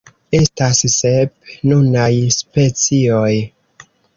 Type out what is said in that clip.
Estas sep nunaj specioj.